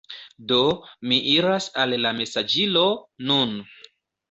Do, mi iras al la mesaĝilo nun